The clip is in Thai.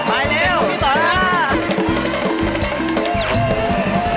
พอนายยังพอ